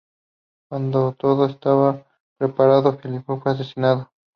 Cuando todo estaba preparado Filipo fue asesinado.